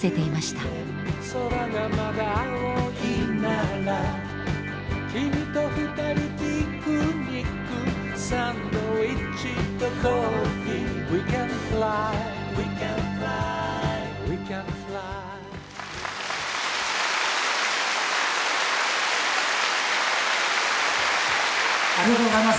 もうありがとうございます。